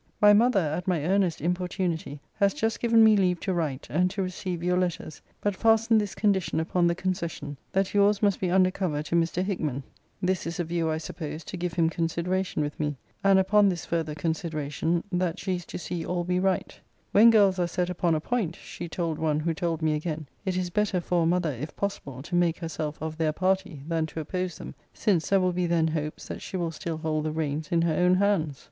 My mother, at my earnest importunity, has just given me leave to write, and to receive your letters but fastened this condition upon the concession, that your's must be under cover to Mr. Hickman, [this is a view, I suppose, to give him consideration with me]; and upon this further consideration, that she is to see all we write. 'When girls are set upon a point,' she told one who told me again, 'it is better for a mother, if possible, to make herself of their party, than to oppose them; since there will be then hopes that she will still hold the reins in her own hands.'